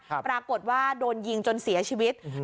ปรากฏว่าโดนยิงจนเสียชีวิตอืม